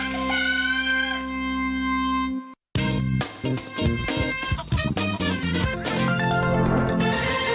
โปรดติดตามตอนต่อไป